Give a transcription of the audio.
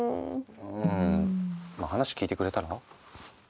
うんまあ話聞いてくれたら？